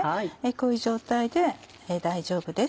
こういう状態で大丈夫です。